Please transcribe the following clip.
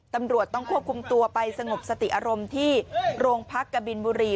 ตำรวจต้องควบคุมตัวไปสงบสติอารมณ์ที่โรงพักกบินบุรี